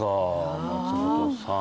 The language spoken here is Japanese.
松本さん